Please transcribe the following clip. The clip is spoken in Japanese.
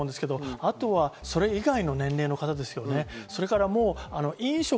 あとはそれ以外の年齢の方ですね。